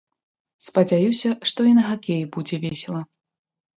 Спадзяюся, што і на хакеі будзе весела.